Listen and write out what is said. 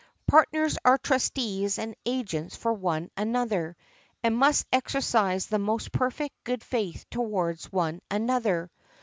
Partners are trustees and agents for one another, and must exercise the most perfect good faith towards one another.